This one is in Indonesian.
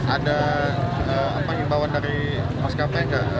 ada apa yang bawa dari maskapai gak